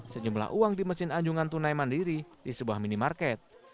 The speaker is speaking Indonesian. sejumlah uang di mesin anjungan tunai mandiri di sebuah minimarket